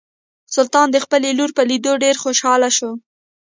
سلطان د خپلې لور په لیدو ډیر خوشحاله شو.